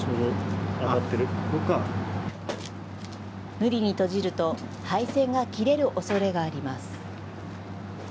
無理に閉じると、配線が切れるおそれがあります。